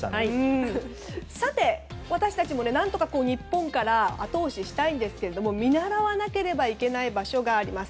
さて、私たちも何とか日本から後押ししたいんですけれども見習わなければならない場所があります。